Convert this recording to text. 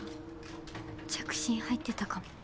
着信入ってたかも。